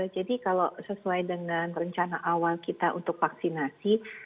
jadi kalau sesuai dengan rencana awal kita untuk vaksinasi